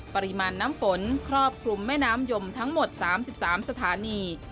ปริมาณน้ำฝนครอบคลุมแม่น้ำยมทั้งหมด๓๓สถานี